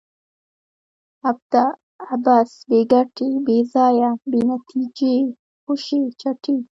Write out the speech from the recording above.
ابته ؛ عبث، بې ګټي، بې ځایه ، بې نتیجې، خوشي چټي